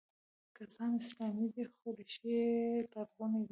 که څه هم اسلامي دی خو ریښې یې لرغونې دي